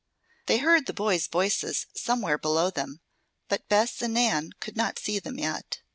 They heard the boys' voices somewhere below them, but Bess and Nan could not see them yet.